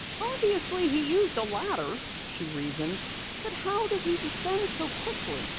"Obviously he used a ladder," she reasoned. "But how did he descend so quickly?